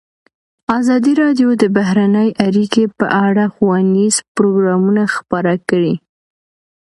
ازادي راډیو د بهرنۍ اړیکې په اړه ښوونیز پروګرامونه خپاره کړي.